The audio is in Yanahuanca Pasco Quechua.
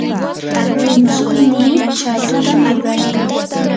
llumtsuynii shatutam ruraykan.